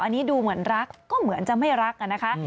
อันนี้ดูเหมือนรักก็เหมือนจะไม่รักอะนะคะ